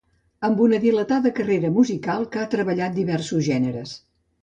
Amb una dilatada carrera musical que ha treballat diversos gèneres.